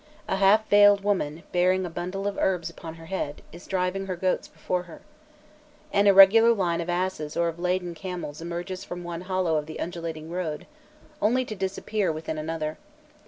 A half veiled woman, bearing a bundle of herbs upon her head, is driving her goats before her. An irregular line of asses or of laden camels emerges from one hollow of the undulating road only to disappear within another.